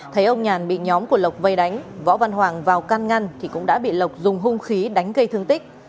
thấy ông nhàn bị nhóm của lộc vây đánh võ văn hoàng vào căn ngăn cũng đã bị lộc dùng hông khí đánh gây thương tích